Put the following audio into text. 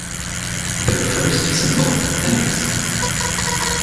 Their first single, Thanks!